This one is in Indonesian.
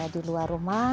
di luar rumah